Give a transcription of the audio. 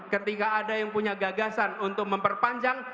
ketika ada yang punya gagasan untuk memperpanjang